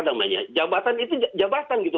namanya jabatan itu jabatan gitu